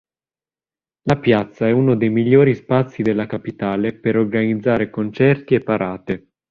La piazza è uno dei migliori spazi della capitale per organizzare concerti e parate.